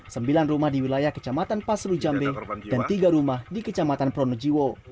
sembilan rumah di wilayah kecamatan pasru jambe dan tiga rumah di kecamatan pronojiwo